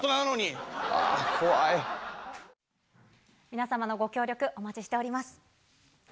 皆様のご協力、お待ちしております。